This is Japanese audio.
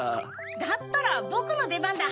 だったらボクのでばんだ。